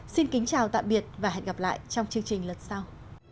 xin kính chào tạm biệt và hẹn gặp lại trong chương trình lần sau